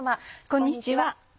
こんにちは。